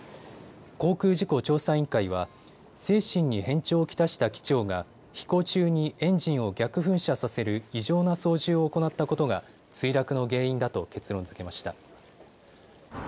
航空事故調査委員会は精神に変調を来した機長が飛行中にエンジンを逆噴射させる異常な操縦を行ったことが墜落の原因だと結論づけました。